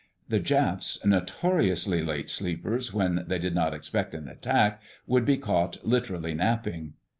The Japs, notoriously late sleepers when they did not expect an attack, would be caught literally napping.